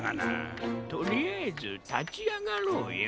とりあえずたちあがろうよ。